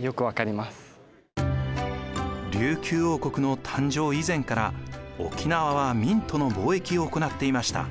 琉球王国の誕生以前から沖縄は明との貿易を行っていました。